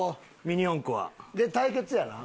ミニ四駆は。で対決やな。